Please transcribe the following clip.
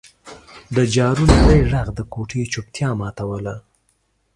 د جارو نري غږ د کوټې چوپتیا ماتوله.